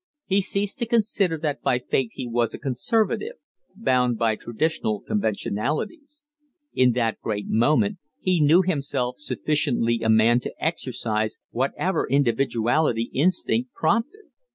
He ceased to consider that by fate he was a Conservative, bound by traditional conventionalities: in that great moment he knew himself sufficiently a man to exercise whatever individuality instinct prompted.